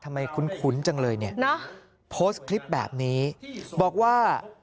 คุ้นจังเลยเนี่ยโพสต์คลิปแบบนี้บอกว่า